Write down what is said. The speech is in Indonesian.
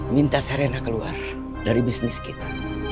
minta sarena keluar dari bisnis kita